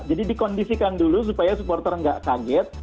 jadi dikondisikan dulu supaya supporter nggak kaget